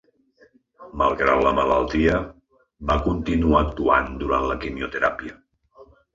Malgrat la malaltia, va continuar actuant durant la quimioteràpia.